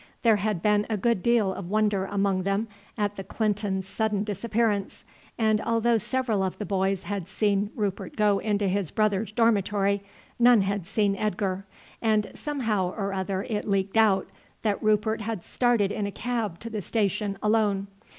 There had been a good deal of wonder among them at the Clintons' sudden disappearance, and although several of the boys had seen Rupert go into his brother's dormitory none had seen Edgar, and somehow or other it leaked out that Rupert had started in a cab to the station alone.